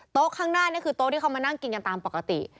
ข้างหน้านี่คือโต๊ะที่เขามานั่งกินกันตามปกติ